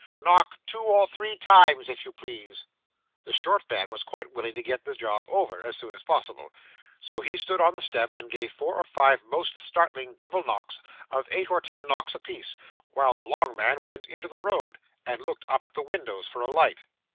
'Knock two or three times, if you please.' The short man was quite willing to get the job over, as soon as possible; so he stood on the step, and gave four or five most startling double knocks, of eight or ten knocks a piece, while the long man went into the road, and looked up at the windows for a light.